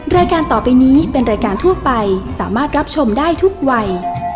รายการต่อไปนี้เป็นรายการทั่วไปสามารถรับชมได้ทุกวัย